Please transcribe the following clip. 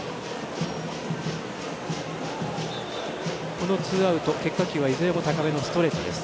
このツーアウト、結果球はいずれも高めのストレートです。